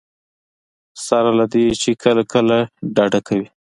سره له دې چې کله کله ډډه کوي.